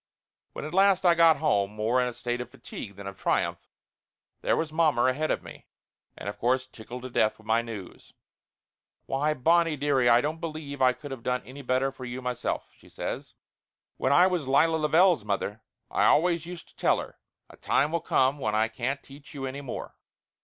When at last I got home, more in a state of fatigue than of triumph, there was mommer ahead of me, and of course tickled to death with my news. "Why, Bonnie, dearie, I don't believe I could of done any better for you myself," she says. "When Laughter Limited 281 I was Lila Lavelle's mother I always used to tell her 'A time will come when I can't teach you any more.'